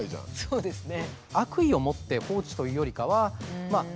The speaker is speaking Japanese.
そうですね。